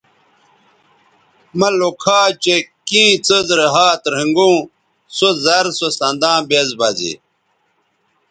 مہ لوکھا چہء کیں څیز رے ھات رھنگوں سو زر سو سنداں بیز بہ زے